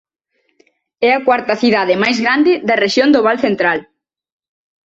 É a cuarta cidade máis grande da rexión do Val Central.